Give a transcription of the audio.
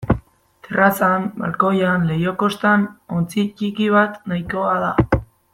Terrazan, balkoian, leiho-koskan ontzi ttiki bat nahikoa da.